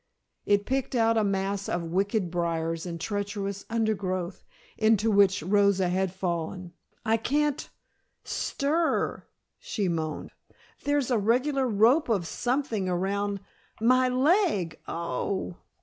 It picked out a mass of wicked briars and treacherous undergrowth into which Rosa had fallen. "I can't stir " she moaned. "There's a regular rope of something around my leg. Oh h h!"